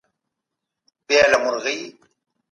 خپلي خونې ته تازه هوا پرېږدئ.